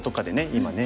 今ね